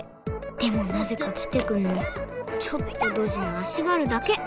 でもなぜか出てくるのはちょっとドジな足軽だけ。